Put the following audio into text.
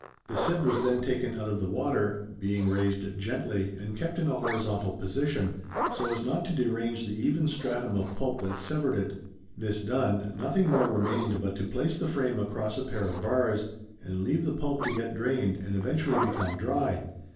The sieve was then taken out of the water being raised gently and kept in a horizontal position so as not to derange the even stratum of pulp that severed it. This done, nothing more remained but to place the frame across a pair of bars, and leave the pulp to get drained and eventually become dry.